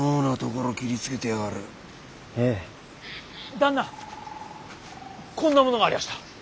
旦那こんなものがありやした。